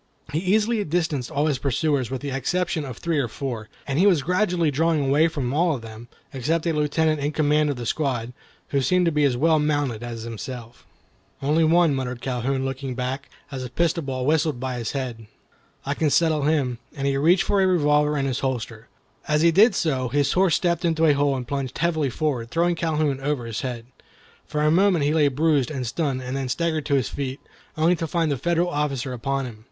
He easily distanced all his pursuers with the exception of three or four, and he was gradually drawing away from all of them, except a lieutenant in command of the squad, who seemed to be as well mounted as himself. [Illustration: HE EASILY DISTANCED ALL HIS PURSUERS.] "Only one," muttered Calhoun, looking back, as a pistol ball whistled by his head; "I can settle him," and he reached for a revolver in his holster. As he did so, his horse stepped into a hole and plunged heavily forward, throwing Calhoun over his head. For a moment he lay bruised and stunned, and then staggered to his feet, only to find the Federal officer upon him.